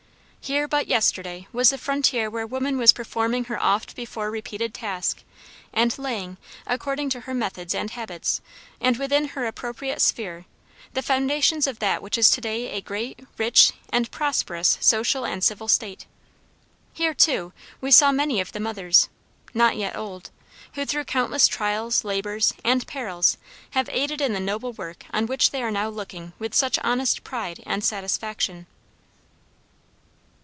Here but yesterday was the frontier where woman was performing her oft before repeated task, and laying, according to her methods and habits, and within her appropriate sphere, the foundations of that which is to day a great, rich, and prosperous social and civil State. Here, too, we saw many of the mothers, not yet old, who through countless trials, labors, and perils have aided in the noble work on which they now are looking with such honest pride and satisfaction.